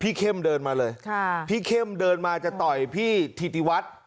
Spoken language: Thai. เข้มเดินมาเลยค่ะพี่เข้มเดินมาจะต่อยพี่ถิติวัฒน์